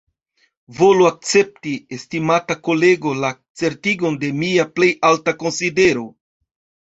Volu akcepti, estimata kolego, la certigon de mia plej alta konsidero.